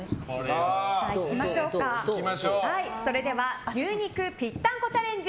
それでは牛肉ぴったんこチャレンジ